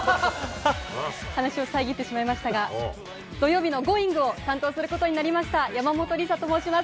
話しを遮ってしまいましたが、土曜日のＧｏｉｎｇ！を担当することになりました、山本里咲と申します。